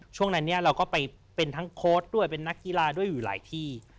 ช่วงนั้นเนี่ยเราก็ไปเป็นทั้งโค้ดด้วยเป็นนักกีฬาด้วยอยู่หลายที่